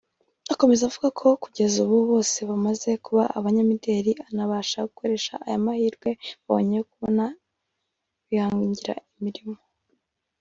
Akomeza avuga ko kugeza ubu boze bamaze kuba abanyamideli anabasaba gukoresha aya mahirwe babonye yo kuba bihangira imirimo